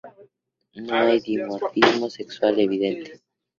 No hay dimorfismo sexual evidente.